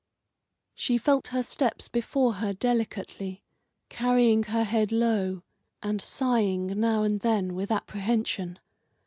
She felt her steps before her delicately, carrying her head low, and sighing now and then with apprehension.